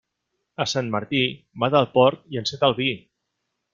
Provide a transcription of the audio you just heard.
A Sant Martí, mata el porc i enceta el vi.